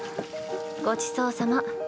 ごちそうさま。